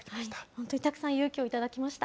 本当にたくさん勇気を頂きました。